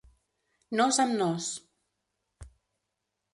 Nos amb nos.